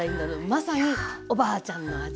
まさにおばあちゃんの味。